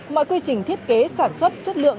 mọi quy trình thiết kế sản xuất chất lượng